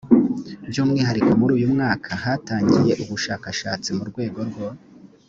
by umwihariko muri uyu mwaka hatangiye ubushakashatsi mu rwego rwo